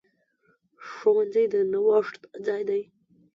ښوونځی د نوښت ځای دی.